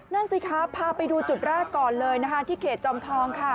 นั่นสิครับพาไปดูจุดแรกก่อนเลยนะคะที่เขตจอมทองค่ะ